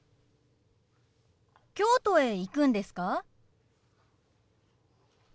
京都へ行くんですか？